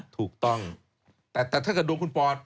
ถูกต้องแต่ถ้าเกิดดวงคุณปอด